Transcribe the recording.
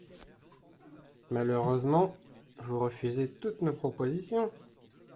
Malheureusement, vous refusez toutes nos propositions.